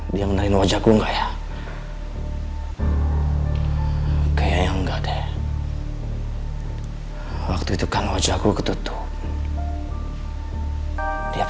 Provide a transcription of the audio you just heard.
sampai jumpa di video selanjutnya